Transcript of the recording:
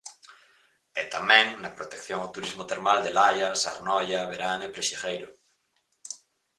E tamén na protección ao turismo termal de Laias, A Arnoia, Berán e Prexigueiro.